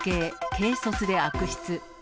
軽率で悪質。